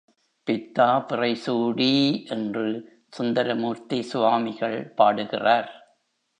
பித்தா பிறைசூடீ என்று சுந்தரமூர்த்தி சுவாமிகள் பாடுகிறார்.